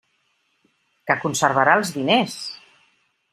Que conservara els diners!